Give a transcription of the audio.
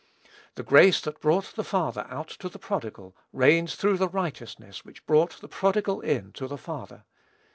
The grace that brought the father out to the prodigal, reigns through the righteousness which brought the prodigal in to the father.